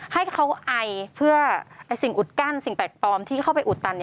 ให้เขาไอเพื่อสิ่งอุดกั้นสิ่งแปลกปลอมที่เข้าไปอุดตัน